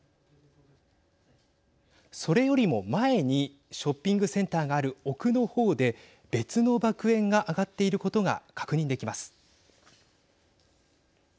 それよりも前にショッピングセンターがある奥のほうで別の爆炎が上がっていることが確認できます。